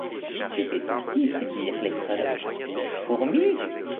Ils devaient aussi subir l'épreuve des fourmis.